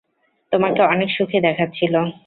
তোমাকে অনেক সুখী দেখাচ্ছিল।